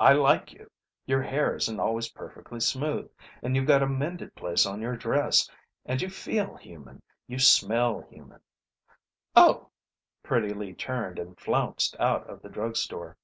I like you; your hair isn't always perfectly smooth, and you've got a mended place on your dress, and you feel human, you smell human " "Oh!" Pretty Lee turned and flounced out of the drug store.